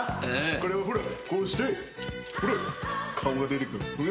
これをほらこうしてほら顔が出てくる。